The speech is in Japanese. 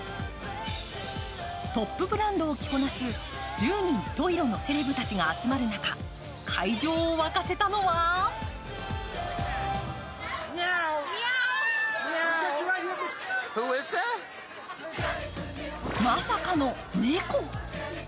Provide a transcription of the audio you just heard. トップブランドを着こなす十人十色のセレブたちが集まる中会場を沸かせたのはまさかの猫。